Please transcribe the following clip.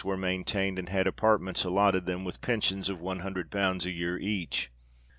were maintained, and had apartments allotted them with pensions of one hundred pounds a year each.